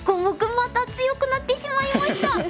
また強くなってしまいました！